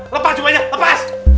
lepas jubahnya lepas